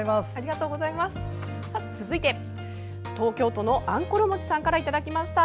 続いて、東京都のあんころもちさんからいただきました。